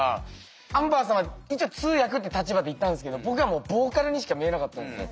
アンバーさんは一応通訳って立場で行ったんですけど僕はもうボーカルにしか見えなかったんですよ。